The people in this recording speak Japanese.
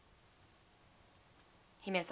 姫様